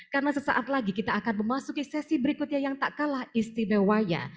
karena sesaat lagi kita akan memasuki sesi berikutnya yang tak kalah istimewanya